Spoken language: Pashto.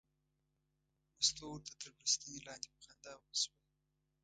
مستو ورته تر بړستنې لاندې په خندا شوه.